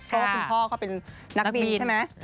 เพราะว่าคุณพ่อเขาเป็นนักบินใช่ไหม